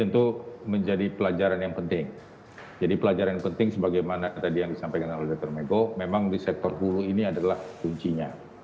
terima kasih mas adrian